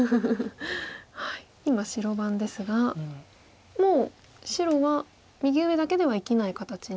今白番ですがもう白は右上だけでは生きない形に。